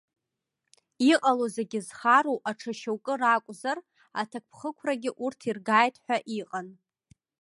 Иҟало зегьы зхароу аҽа шьоукы ракәзар, аҭакԥхықәрагь урҭ иргааит ҳәа иҟан.